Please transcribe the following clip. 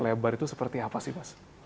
lebar itu seperti apa sih mas